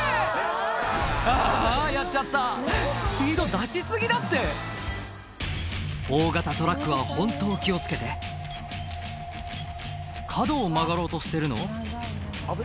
ああやっちゃったスピード出し過ぎだって大型トラックは本当気を付けて角を曲がろうとしてるの？